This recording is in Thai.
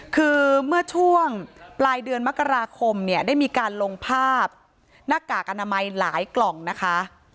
คือเมื่อช่วงปลายเดือนมกราคมเนี่ยได้มีการลงภาพหน้ากากอนามัยหลายกล่องนะคะ